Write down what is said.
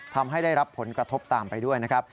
ทำให้ได้รับผลกระทบตามไปด้วยนะครับ